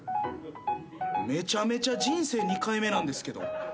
めちゃめちゃ人生２回目なんですけど。